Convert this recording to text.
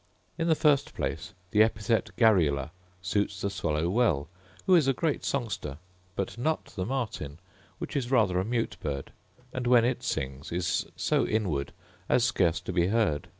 In the first place the epithet garrula suits the swallow well, who is a great songster; but not the martin, which is rather a mute bird; and when it sings is so inward as scarce to be heard.